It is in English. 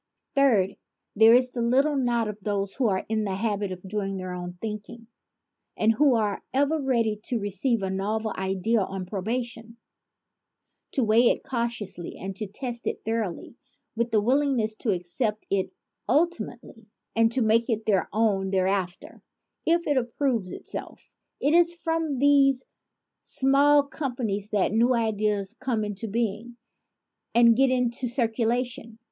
Third, there is the little knot of those who are in the habit of doing their own thinking and who are ever ready to receive a novel idea on probation, to weigh it cautiously and to test it thoroly with willingness to accept it ultimately and to make it their own thereafter if it approves it self. It is from this small company that new ideas come into being, and get into circulation.